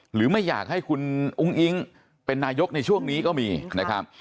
หรือไม่อยากให้คุณอุ้งอิ๊งเป็นนายกในช่วงนี้ก็มีนะครับ